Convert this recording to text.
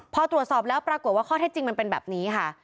พอตรวจสอบแล้วปรากฏว่าข้อเท็จจริงมันเป็นแบบนี้ค่ะ